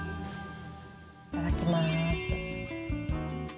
いただきます。